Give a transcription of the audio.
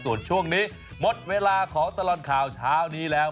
ส่วนช่วงนี้หมดเวลาของตลอดข่าวเช้านี้แล้ว